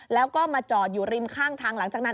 แล้วก็มาจอดอยู่ริมข้างทางหลังจากนั้น